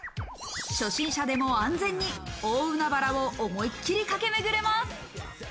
初心者でも安全に大海原を思いっきりかけ巡れます。